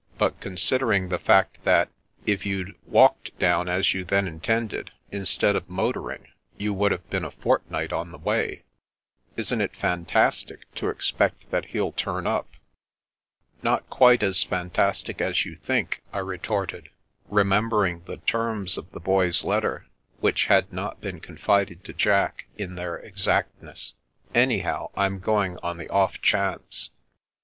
But considering the fact that, if you'd walked down as you then intended, instead of motoring, you would have been a fortnight on the way, isn't it fantastic to expect that he'll turn up?" " Not quite as fantastic as you think," I retorted, remembering the terms of the Boy's letter, which had not been confided to Jack, in their exactness. " Anyhow, I'm going on the off chance."